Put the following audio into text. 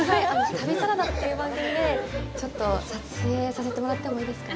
旅サラダっていう番組でちょっと撮影させてもらってもいいですか？